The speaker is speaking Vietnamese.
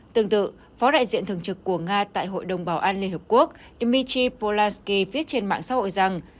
tương tự phó đại diện thường trực của nga tại hội đồng bảo an liên hợp quốc dmitry polasky viết trên mạng xã hội rằng